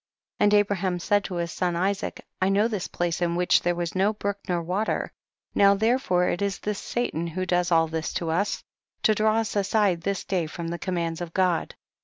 37. And Abraham said to his son Isaac, I know this place in which there was no brook nor water, now therefore it is this Satan who does all this to us, to draw us aside this day from the commands of God.